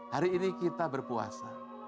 hari ini kita berpuasa